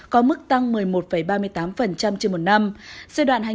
có mức tăng một mươi một ba mươi tám trên một năm